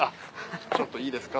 ちょっといいですか。